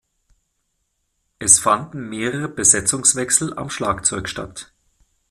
Es fanden mehrere Besetzungswechsel am Schlagzeug statt.